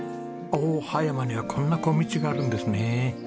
おお葉山にはこんな小道があるんですね。